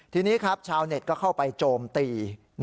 ทีนี้ครับชาวเน็ตก็เข้าไปโจมตี